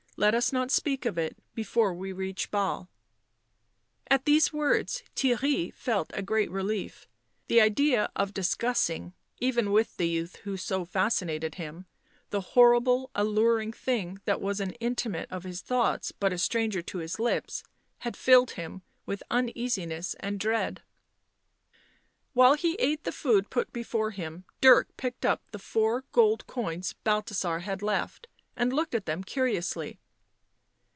" Let us not speak of it before we reach Basle." At these words Theirry felt a great relief ; the idea of discussing, even with the youth who so fascinated him, the horrible, alluring thing that was an intimate of his thoughts but a stranger to his lips, had filled him with uneasiness and dread. While he ate the food put before him, Dirk picked up the four gold coins Balthasar had left and looked at them curiously.